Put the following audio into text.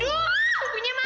hah cukup mir cepat